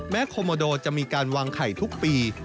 โคโมโดจะมีการวางไข่ทุกปี